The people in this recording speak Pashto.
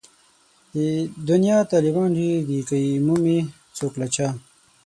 د دنيا طالبان ډېر دي که يې مومي څوک له چا